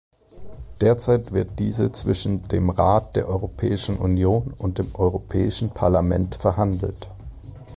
Derzeit wird diese zwischen dem Rat der Europäischen Union und dem Europäischen Parlament verhandelt.